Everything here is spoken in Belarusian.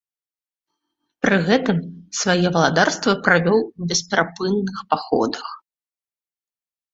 Пры гэтым свае валадарства правёў у бесперапынных паходах.